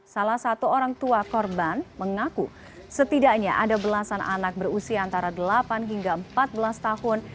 salah satu orang tua korban mengaku setidaknya ada belasan anak berusia antara delapan hingga empat belas tahun